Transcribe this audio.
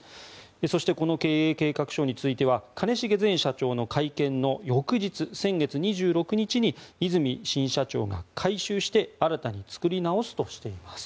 そしてこの経営計画書については兼重前社長の会見の翌日、先月２６日に和泉伸二新社長が回収して新たに作り直すとしています。